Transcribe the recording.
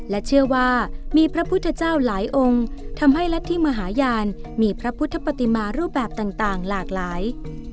และเชื่อว่ามีพระพุทธเจ้าหลายองค์ทำให้รัฐธิมหาญาณมีพระพุทธปฏิมารูปแบบต่างหลากหลาย